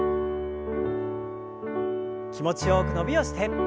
気持ちよく伸びをして。